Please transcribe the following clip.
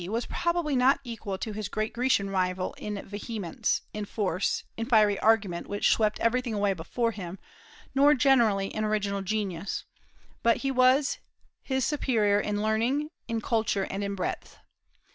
was probably not equal to his great Grecian rival in vehemence, in force, in fiery argument which swept everything away before him, nor generally in original genius; but he was his superior in learning, in culture, and in breadth.